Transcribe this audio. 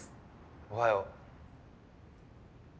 おはよう。